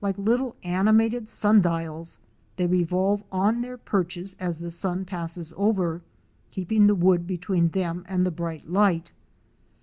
Like little animated sun dials they revolve on their perches as the sun passes over, keeping the wood between them and the bright light.